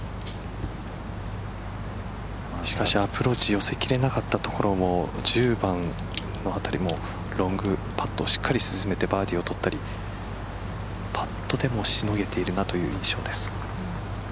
しかし、アプローチを寄せきれなかったところも１０番のあたりもロングパットをしっかり沈めてバーディーを取ったりしのげているなという印象です。